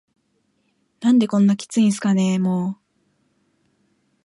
「何でこんなキツいんすかねぇ～も～…」